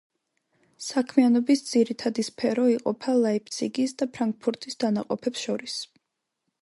საქმიანობის ძირითადი სფერო იყოფა ლაიფციგის და ფრანკფურტის დანაყოფებს შორის.